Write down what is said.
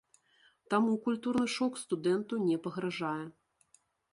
Таму культурны шок студэнту не пагражае.